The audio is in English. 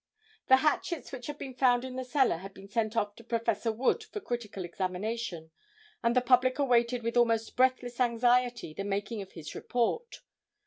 The hatchets which had been found in the cellar had been sent to Prof. Wood for critical examination, and the public awaited with almost breathless anxiety the making of his report.